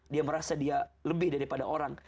dia merasa dia lebih daripada orang